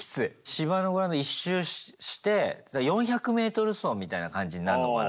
芝のグラウンド１周して４００ｍ走みたいな感じになるのかな。